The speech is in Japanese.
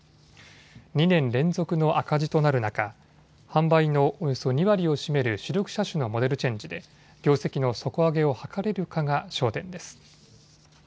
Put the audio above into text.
２年連続の赤字となる中、販売のおよそ２割を占める主力車種のモデルチェンジで業績の底上げを図れるかが焦点です。